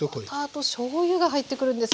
あとしょうゆが入ってくるんですね。